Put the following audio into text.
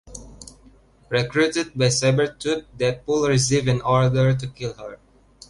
Recruited by Sabretooth, Deadpool received an order to kill her.